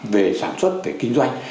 về sản xuất về kinh doanh